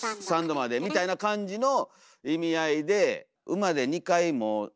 三度までみたいな感じの意味合いで「馬」でっていう。